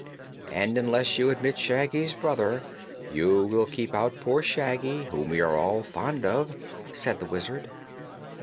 "And, unless you admit Shaggy's brother, you will keep out poor Shaggy, whom we are all very fond of," said the Wizard.